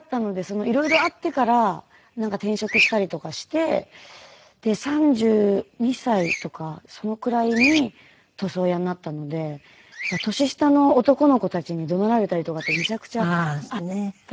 色々あってから転職したりとかして３２歳とかそのくらいに塗装屋になったので年下の男の子たちに怒鳴られたりとかってめちゃくちゃあったみたいで。